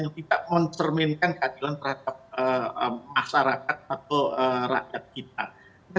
yang tidak mencerminkan keadilan terhadap masyarakat atau rakyat kita